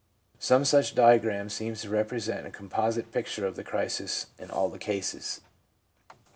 Some such diagram seems to represent a composite picture of the crisis in all the cases.